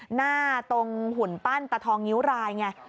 หน้าตรงหุ่นปั้นตะทองนิ้วรายไง